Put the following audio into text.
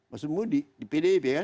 mas mudi di pdip kan